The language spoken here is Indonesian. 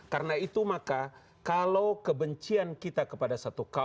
karena itu maka kalau kebencian kita kepada seorang negara